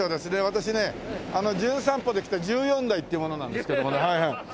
私ね『じゅん散歩』で来た十四代という者なんですけどもね。というような事で。